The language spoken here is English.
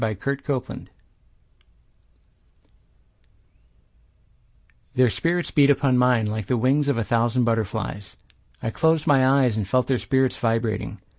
Benjamin Fraser Their spirits beat upon mine Like the wings of a thousand butterflies. I closed my eyes and felt their spirits vibrating.